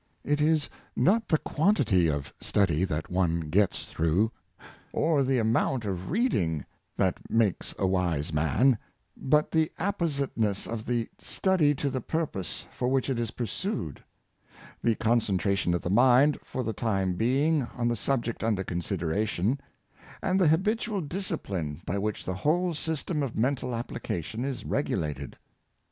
It is not the quantity of study that one gets through, or the amount of reading, that makes a wise man; but the appositeness of the study to the purpose for which it is pursued; the concentration of the mind, for the time be ing, on the subject under consideration; and the habitual discipline by which the whole system of mental appli cation is regulated.